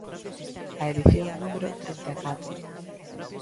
A edición numero trinta e catro.